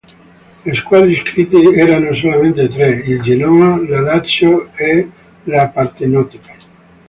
Le squadre iscritte erano solamente tre, il Genoa, la Lazio e la Partenope.